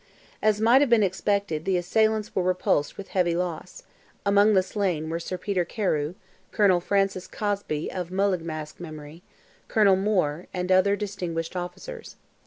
As might have been expected, the assailants were repulsed with heavy loss; among the slain were Sir Peter Carew, Colonel Francis Cosby of Mullaghmast memory, Colonel Moor, and other distinguished officers.